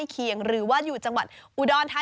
เออซื้อไหมล่ะ